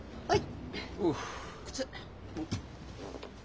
はい。